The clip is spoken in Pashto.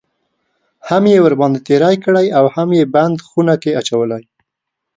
هم یې ورباندې تېری کړی اوهم یې بند خونه کې اچولی.